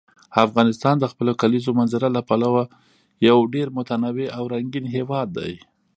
افغانستان د خپلو کلیزو منظره له پلوه یو ډېر متنوع او رنګین هېواد دی.